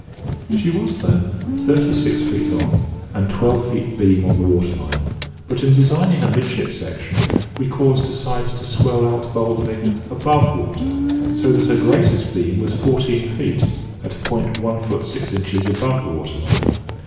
She was, then, thirty six feet long, and twelve feet beam on the water line; but, in designing her midship section, we caused her sides to swell out boldly above water, so that her greatest beam was fourteen feet, at a point one foot six inches above the water line.